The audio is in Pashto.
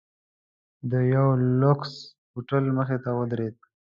د یوه لوکس هوټل مخې ته ودریده.